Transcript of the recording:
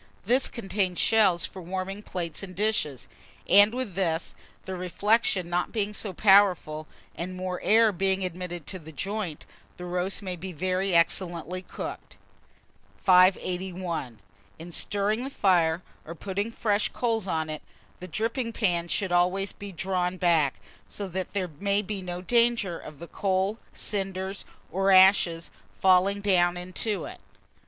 This contains shelves for warming plates and dishes; and with this, the reflection not being so powerful, and more air being admitted to the joint, the roast may be very excellently cooked. [Illustration: DRIPPING PAN AND BASTING LADLE.] 581. IN STIRRING THE FIRE, or putting fresh coals on it, the dripping pan should always be drawn back, so that there may be no danger of the coal, cinders, or ashes falling down into it.